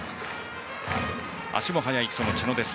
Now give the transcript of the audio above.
足も速い茶野です。